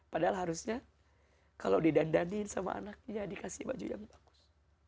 padahal harusnya kalau didandanin sama anaknya dikasih baju yang bagus